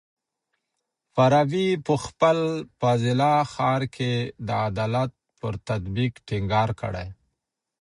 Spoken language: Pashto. فارابي په خپل فاضله ښار کي د عدالت پر تطبيق ټينګار کړی.